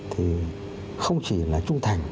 thì không chỉ là trung thành